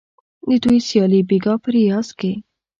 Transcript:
د دوی سیالي بیګا په ریاض کې